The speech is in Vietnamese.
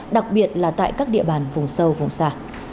đặc biệt là tại các địa bàn vùng sâu vùng xa